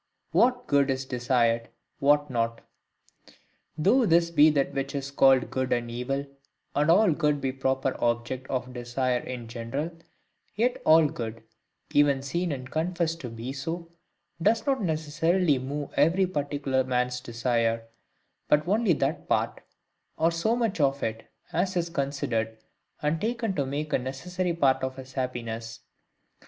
What Good is desired, what not. Though this be that which is called good and evil, and all good be the proper object of desire in general; yet all good, even seen and confessed to be so, does not necessarily move every particular man's desire; but only that part, or so much of it as is considered and taken to make a necessary part of HIS happiness.